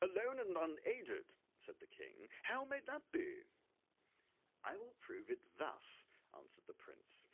"Alone and unaided?" said the King; "how may that be?" "I will prove it thus," answered the prince.